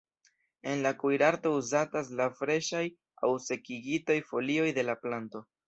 En la kuirarto uzatas la freŝaj aŭ sekigitaj folioj de la planto.